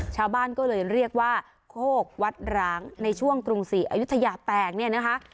ชาวบ้านก็เลยเรียกว่าโคกวัดร้างในช่วงกรุงศรีอายุทยาแตกเนี่ยนะคะ